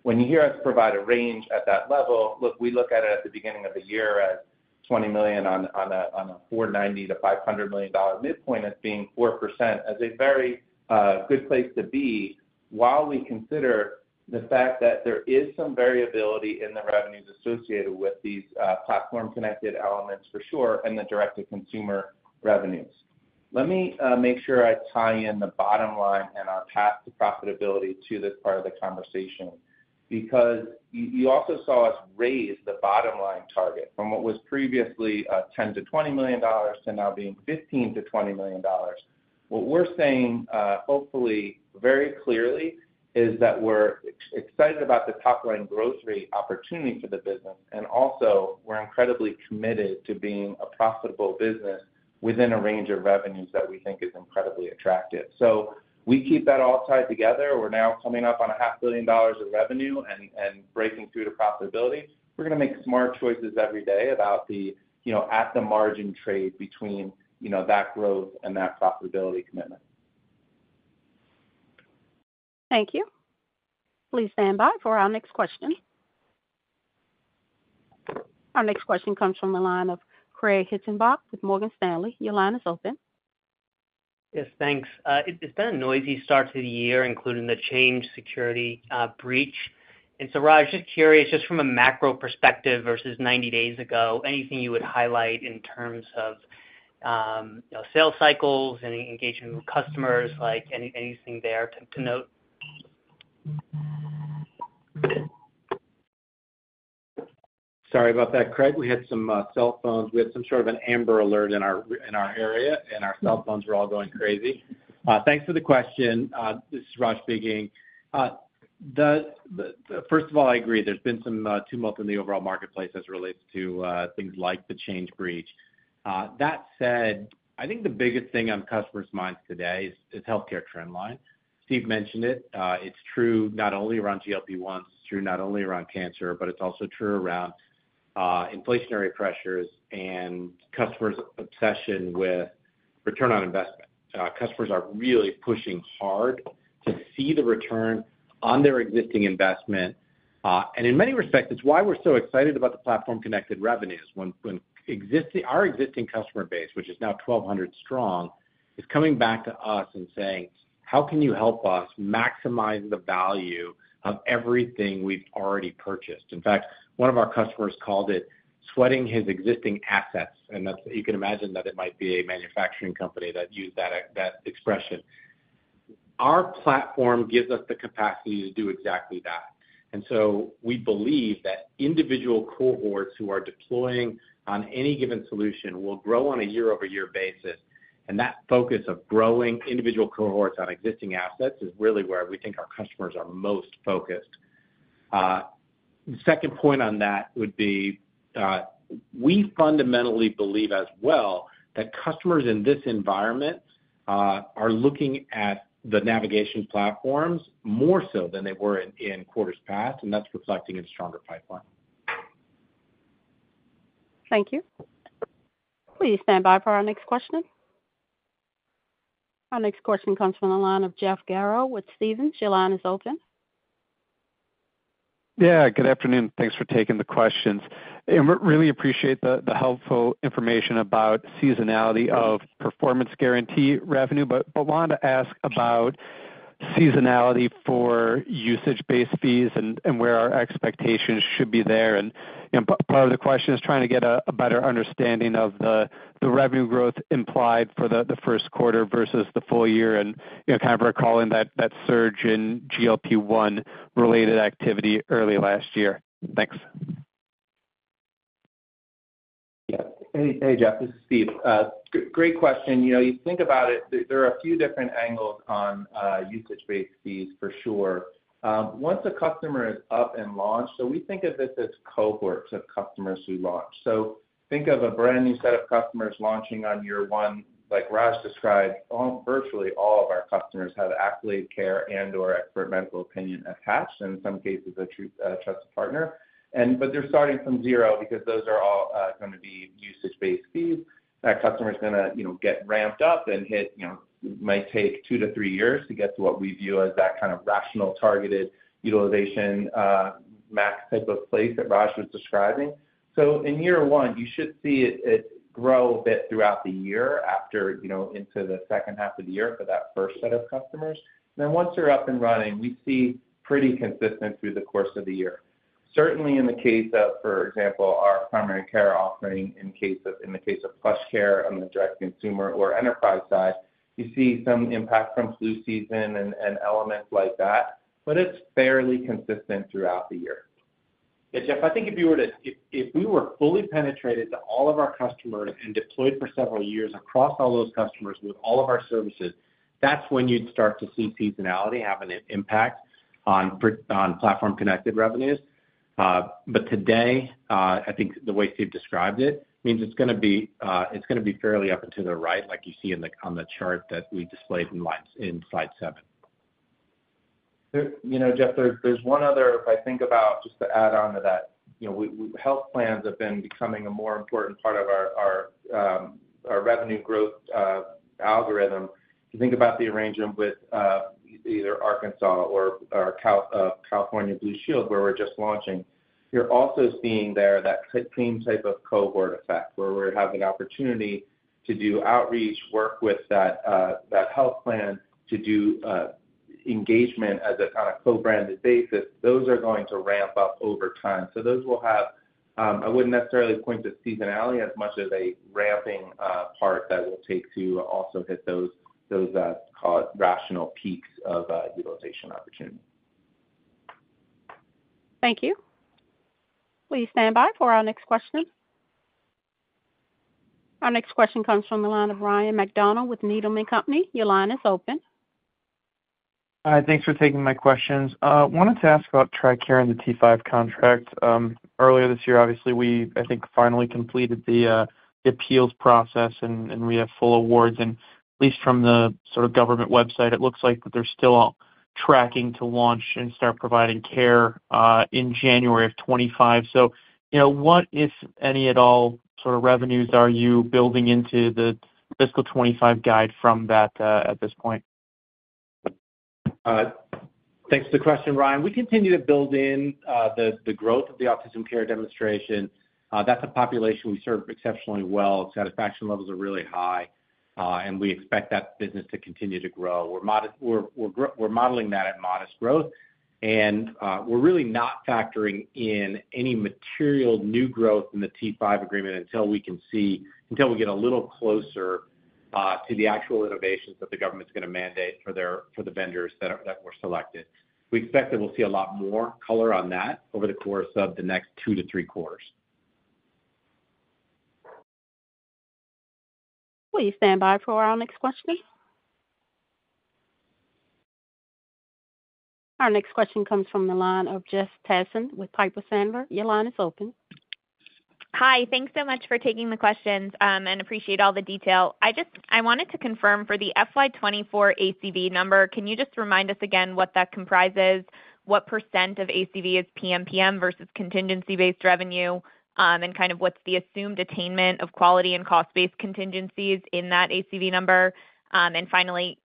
When you hear us provide a range at that level, look, we look at it at the beginning of the year as $20 million on a $490 million-$500 million midpoint as being 4% as a very good place to be while we consider the fact that there is some variability in the revenues associated with these platform-connected elements for sure and the direct-to-consumer revenues. Let me make sure I tie in the bottom line and our path to profitability to this part of the conversation because you also saw us raise the bottom line target from what was previously $10 million-$20 million to now being $15 million-$20 million. What we're saying, hopefully, very clearly is that we're excited about the top-line growth rate opportunity for the business, and also, we're incredibly committed to being a profitable business within a range of revenues that we think is incredibly attractive. So we keep that all tied together. We're now coming up on $500 million of revenue and breaking through to profitability. We're going to make smart choices every day about the at-the-margin trade between that growth and that profitability commitment. Thank you. Please stand by for our next question. Our next question comes from the line of Craig Hettenbach with Morgan Stanley. Your line is open. Yes. Thanks. It's been a noisy start to the year, including the Change Healthcare security breach. And so, Raj, just curious, just from a macro perspective versus 90 days ago, anything you would highlight in terms of sales cycles and engagement with customers, anything there to note? Sorry about that, Craig. We had some cell phones. We had some sort of an Amber Alert in our area, and our cell phones were all going crazy. Thanks for the question. This is Raj Singh. First of all, I agree. There's been some tumult in the overall marketplace as it relates to things like the Change Healthcare breach. That said, I think the biggest thing on customers' minds today is healthcare trendline. Steve mentioned it. It's true not only around GLP-1. It's true not only around cancer, but it's also true around inflationary pressures and customers' obsession with return on investment. Customers are really pushing hard to see the return on their existing investment. And in many respects, it's why we're so excited about the platform-connected revenues. Our existing customer base, which is now 1,200 strong, is coming back to us and saying, "How can you help us maximize the value of everything we've already purchased?" In fact, one of our customers called it sweating his existing assets. You can imagine that it might be a manufacturing company that used that expression. Our platform gives us the capacity to do exactly that. We believe that individual cohorts who are deploying on any given solution will grow on a year-over-year basis. That focus of growing individual cohorts on existing assets is really where we think our customers are most focused. The second point on that would be we fundamentally believe as well that customers in this environment are looking at the navigation platforms more so than they were in quarters past, and that's reflecting in a stronger pipeline. Thank you. Please stand by for our next question. Our next question comes from the line of Jeff Garro with Stephens. Your line is open. Yeah. Good afternoon. Thanks for taking the questions. And we really appreciate the helpful information about seasonality of performance guarantee revenue. But I wanted to ask about seasonality for usage-based fees and where our expectations should be there. And part of the question is trying to get a better understanding of the revenue growth implied for the first quarter versus the full year and kind of recalling that surge in GLP-1-related activity early last year. Thanks. Yeah. Hey, Jeff. This is Steve. Great question. You think about it, there are a few different angles on usage-based fees for sure. Once a customer is up and launched, so we think of this as cohorts of customers who launch. So think of a brand new set of customers launching on year one. Like Raj described, virtually all of our customers have Accolade Care and/or Expert Medical Opinion attached, and in some cases, a trusted partner. But they're starting from zero because those are all going to be usage-based fees. That customer's going to get ramped up, and it might take two to three years to get to what we view as that kind of rational, targeted utilization max type of place that Raj was describing. So in year one, you should see it grow a bit throughout the year after into the second half of the year for that first set of customers. And then once they're up and running, we see pretty consistent through the course of the year. Certainly, in the case of, for example, our primary care offering, in the case of PlushCare on the direct consumer or enterprise side, you see some impact from flu season and elements like that, but it's fairly consistent throughout the year. Yeah, Jeff, I think if we were fully penetrated to all of our customers and deployed for several years across all those customers with all of our services, that's when you'd start to see seasonality having an impact on Platform-Connected Revenues. But today, I think the way Steve described it means it's going to be fairly up and to the right, like you see on the chart that we displayed in slide seven. Jeff, there's one other, if I think about just to add on to that, health plans have been becoming a more important part of our revenue growth algorithm. If you think about the arrangement with either Arkansas or California Blue Shield, where we're just launching, you're also seeing there that same type of cohort effect where we're having an opportunity to do outreach, work with that health plan, to do engagement as a kind of co-branded basis. Those are going to ramp up over time. So those will have I wouldn't necessarily point to seasonality as much as a ramping part that will take to also hit those rational peaks of utilization opportunity. Thank you. Please stand by for our next question. Our next question comes from the line of Ryan MacDonald with Needham and Company. Your line is open. Hi. Thanks for taking my questions. I wanted to ask about TRICARE and the T5 contract. Earlier this year, obviously, we, I think, finally completed the appeals process, and we have full awards. And at least from the sort of government website, it looks like that they're still tracking to launch and start providing care in January of 2025. So what, if any at all, sort of revenues are you building into the fiscal 2025 guide from that at this point? Thanks for the question, Ryan. We continue to build in the growth of the Autism Care Demonstration. That's a population we serve exceptionally well. Satisfaction levels are really high, and we expect that business to continue to grow. We're modeling that at modest growth, and we're really not factoring in any material new growth in the T5 agreement until we get a little closer to the actual innovations that the government's going to mandate for the vendors that were selected. We expect that we'll see a lot more color on that over the course of the next two to three quarters. Please stand by for our next question. Our next question comes from the line of Jessica Tassan with Piper Sandler. Your line is open. Hi. Thanks so much for taking the questions and appreciate all the detail. I wanted to confirm for the FY24 ACV number, can you just remind us again what that comprises? What percent of ACV is PMPM versus contingency-based revenue, and kind of what's the assumed attainment of quality and cost-based contingencies in that ACV number? And finally,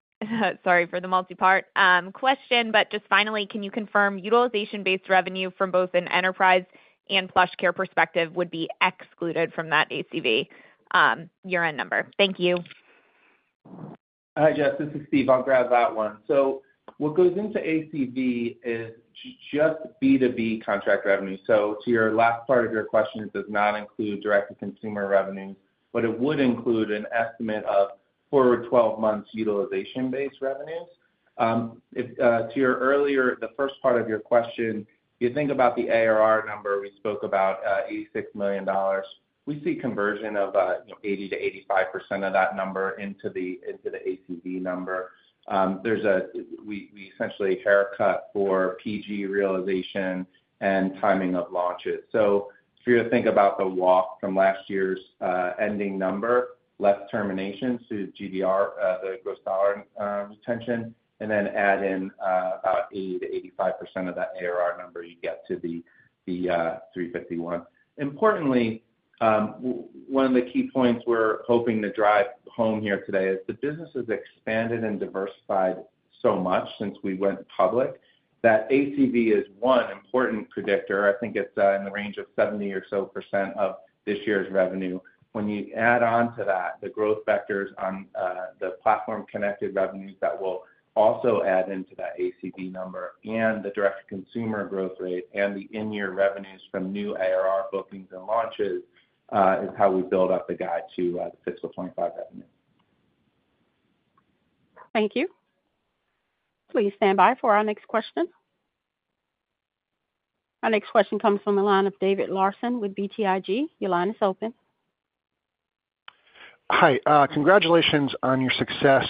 sorry for the multi-part question, but just finally, can you confirm utilization-based revenue from both an enterprise and PlushCare perspective would be excluded from that ACV year-end number? Thank you. Hi, Jeff. This is Steve. I'll grab that one. So what goes into ACV is just B2B contract revenue. So to your last part of your question, it does not include direct-to-consumer revenues, but it would include an estimate of forward 12 months utilization-based revenues. To your earlier, the first part of your question, if you think about the ARR number we spoke about, $86 million, we see conversion of 80%-85% of that number into the ACV number. We essentially haircut for PG realization and timing of launches. So if you're going to think about the walk from last year's ending number, left terminations to GDR, the gross dollar retention, and then add in about 80%-85% of that ARR number, you get to the $351 million. Importantly, one of the key points we're hoping to drive home here today is the business has expanded and diversified so much since we went public that ACV is one important predictor. I think it's in the range of 70% or so of this year's revenue. When you add on to that, the growth vectors on the platform-connected revenues that will also add into that ACV number and the direct-to-consumer growth rate and the in-year revenues from new ARR bookings and launches is how we build up the guide to the Fiscal 2025 revenue. Thank you. Please stand by for our next question. Our next question comes from the line of David Larsen with BTIG. Your line is open. Hi. Congratulations on your success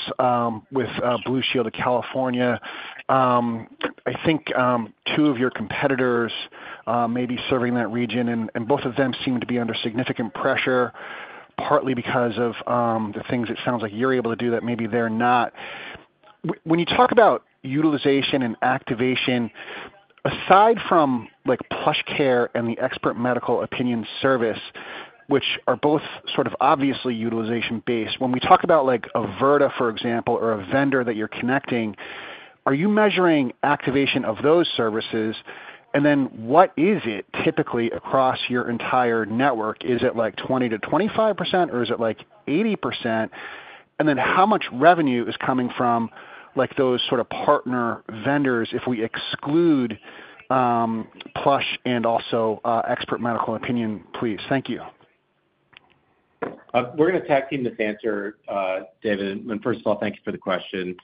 with Blue Shield of California. I think two of your competitors may be serving that region, and both of them seem to be under significant pressure, partly because of the things it sounds like you're able to do that maybe they're not. When you talk about utilization and activation, aside from PlushCare and the Expert Medical Opinion service, which are both sort of obviously utilization-based, when we talk about Virta, for example, or a vendor that you're connecting, are you measuring activation of those services? And then what is it typically across your entire network? Is it 20%-25%, or is it 80%? And then how much revenue is coming from those sort of partner vendors if we exclude PlushCare and also Expert Medical Opinion, please? Thank you. We're going to tag team this answer, David. First of all, thank you for the question.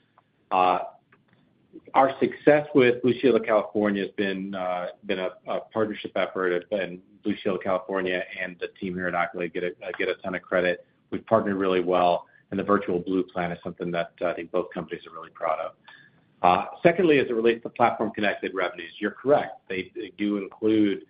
Our success with Blue Shield of California has been a partnership effort. It's been Blue Shield of California and the team here at Accolade get a ton of credit. We've partnered really well, and the Virtual Blue plan is something that I think both companies are really proud of. Secondly, as it relates to Platform-Connected Revenues, you're correct. They do include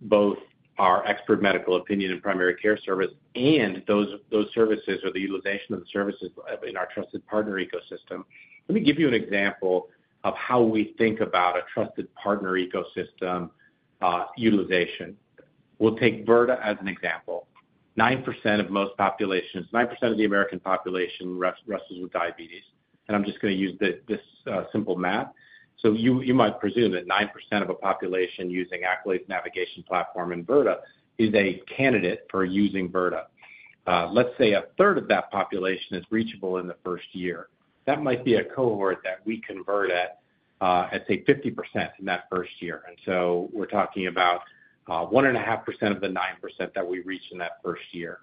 both our Expert Medical Opinion and primary care service, and those services or the utilization of the services in our Trusted Partner Ecosystem. Let me give you an example of how we think about a Trusted Partner Ecosystem utilization. We'll take Virta as an example. 9% of most populations 9% of the American population wrestles with diabetes. And I'm just going to use this simple math. So you might presume that 9% of a population using Accolade's navigation platform and Virta is a candidate for using Virta. Let's say a third of that population is reachable in the first year. That might be a cohort that we convert at, say, 50% in that first year. And so we're talking about 1.5% of the 9% that we reach in that first year.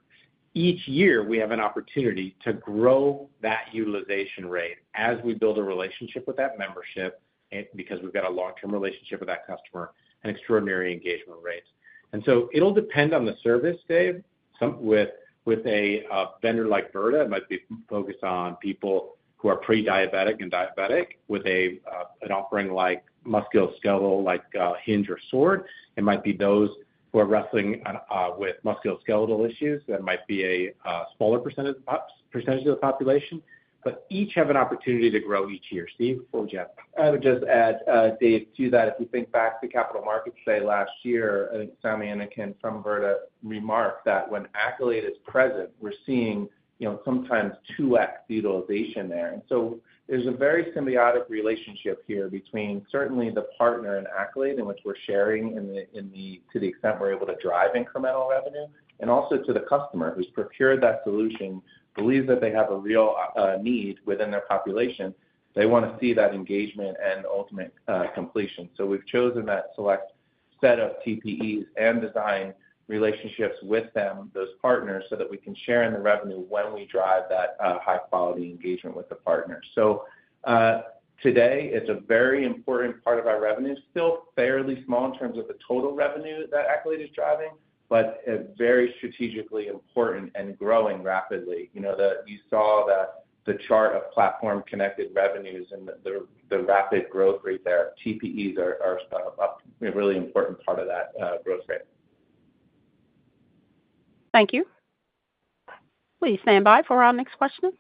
Each year, we have an opportunity to grow that utilization rate as we build a relationship with that membership because we've got a long-term relationship with that customer, an extraordinary engagement rate. And so it'll depend on the service, Dave. With a vendor like Virta, it might be focused on people who are prediabetic and diabetic. With an offering like musculoskeletal, like Hinge or Sword, it might be those who are wrestling with musculoskeletal issues. That might be a smaller percentage of the population, but each have an opportunity to grow each year. Steve, before we jump. I would just add, Dave, to that, if you think back to Capital Markets Day last year, I think Sami Inkinen from Virta remarked that when Accolade is present, we're seeing sometimes 2x utilization there. And so there's a very symbiotic relationship here between, certainly, the partner in Accolade in which we're sharing to the extent we're able to drive incremental revenue, and also to the customer who's procured that solution, believes that they have a real need within their population. They want to see that engagement and ultimate completion. So we've chosen that select set of TPEs and designed relationships with them, those partners, so that we can share in the revenue when we drive that high-quality engagement with the partner. Today, it's a very important part of our revenue. It's still fairly small in terms of the total revenue that Accolade is driving, but very strategically important and growing rapidly. You saw the chart of platform-connected revenues and the rapid growth rate there. TPEs are a really important part of that growth rate. Thank you. Please stand by for our next question.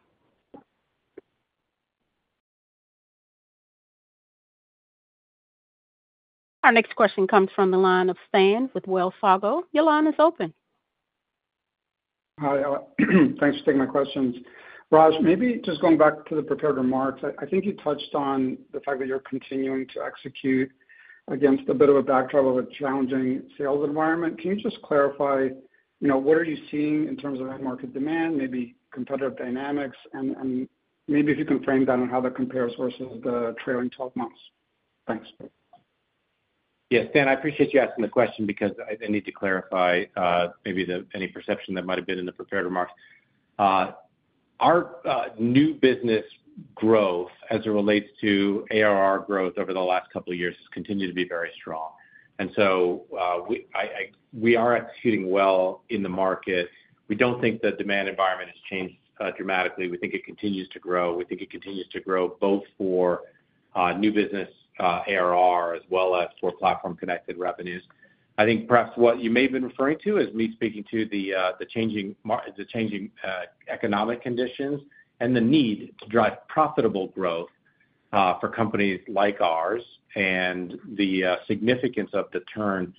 Our next question comes from the line of Stan with Wells Fargo. Your line is open. Hi. Thanks for taking my questions. Raj, maybe just going back to the prepared remarks, I think you touched on the fact that you're continuing to execute against a bit of a backdrop of a challenging sales environment. Can you just clarify, what are you seeing in terms of end-market demand, maybe competitive dynamics, and maybe if you can frame that on how that compares versus the trailing 12 months? Thanks. Yeah. Stan, I appreciate you asking the question because I need to clarify maybe any perception that might have been in the prepared remarks. Our new business growth as it relates to ARR growth over the last couple of years has continued to be very strong. And so we are executing well in the market. We don't think the demand environment has changed dramatically. We think it continues to grow. We think it continues to grow both for new business ARR as well as for platform-connected revenues. I think perhaps what you may have been referring to is me speaking to the changing economic conditions and the need to drive profitable growth for companies like ours and the significance of the turn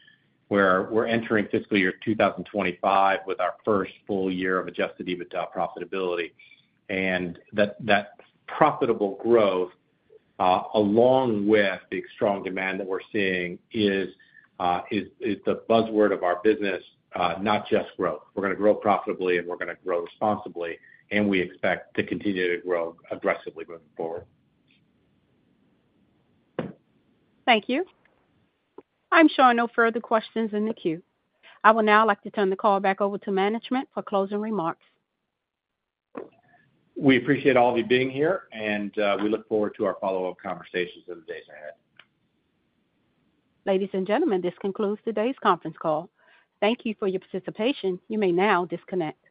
where we're entering fiscal year 2025 with our first full year of adjusted EBITDA profitability. That profitable growth, along with the strong demand that we're seeing, is the buzzword of our business, not just growth. We're going to grow profitably, and we're going to grow responsibly, and we expect to continue to grow aggressively moving forward. Thank you. I'm sure I know further questions in the queue. I will now like to turn the call back over to management for closing remarks. We appreciate all of you being here, and we look forward to our follow-up conversations in the days ahead. Ladies and gentlemen, this concludes today's conference call. Thank you for your participation. You may now disconnect.